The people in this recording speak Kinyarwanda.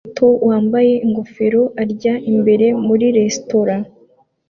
Umukobwa ukiri muto wambaye ingofero arya imbere muri resitora